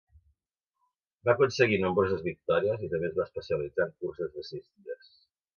Va aconseguir nombroses victòries i també es va especialitzar en curses de sis dies.